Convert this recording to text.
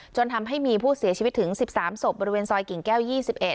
จนทำให้มีผู้เสียชีวิตถึงสิบสามศพบริเวณซอยกิ่งแก้วยี่สิบเอ็ด